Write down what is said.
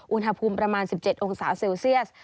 อุณหภูมิประมาณ๑๗องศาเซลเซียส